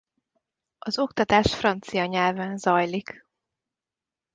Az oktatás francia nyelven zajlik.